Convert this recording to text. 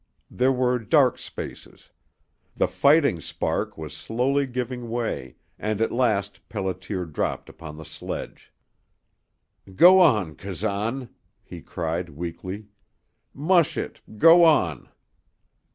There were dark spaces. The fighting spark was slowly giving way, and at last Pelliter dropped upon the sledge. "Go on, Kazan!" he cried, weakly. "Mush it go on!"